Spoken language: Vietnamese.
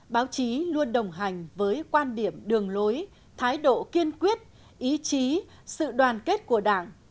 báo chí luôn đồng hành với quan điểm đường lối thái độ kiên quyết ý chí sự đoàn kết của đảng